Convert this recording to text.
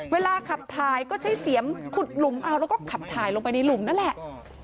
เวลาขับถ่ายก็ใช้เสียงขุดหลุมเอาแล้วก็ขับถ่ายลงไปในหลุมนั่นแหละ